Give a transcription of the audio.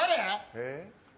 えっ？